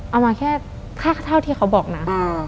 เอามาแค่ค่าเท่าที่เขาบอกนะ